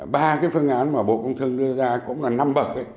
ba cái phương án mà bộ công thương đưa ra cũng là năm bậc ấy